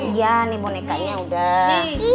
iya nih bonekanya udah